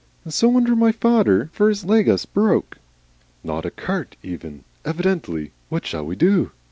"And so's my feyther, for's leg us broke." "Not a cart even! Evidently. What shall we do?"